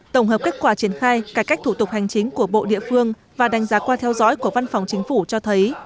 tổng hợp kết quả triển khai cải cách thủ tục hành chính của bộ địa phương và đánh giá qua theo dõi của văn phòng chính phủ cho thấy